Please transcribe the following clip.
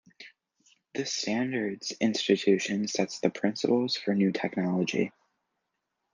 This standards institution sets the principles for new technology.